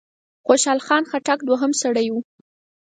خوشحال خان خټک دوهم سړی دی.